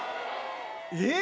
えっ！